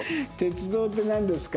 「鉄道ってなんですか？」